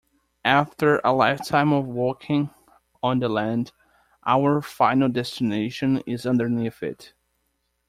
After a lifetime of walking on the land, our final destination is underneath it.